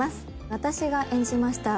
私が演じました。